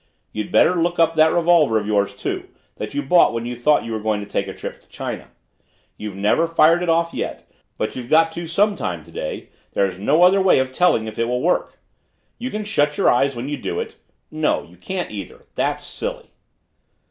You'd better look up that revolver of yours, too, that you bought when you thought you were going to take a trip to China. You've never fired it off yet, but you've got to sometime today there's no other way of telling if it will work. You can shut your eyes when you do it no, you can't either that's silly.